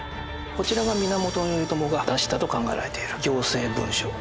こちらが源頼朝が出したと考えられている行政文書。